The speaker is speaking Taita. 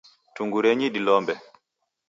Tungurenyi dilombe.